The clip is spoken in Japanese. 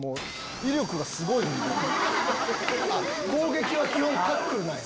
攻撃は基本タックルなんや。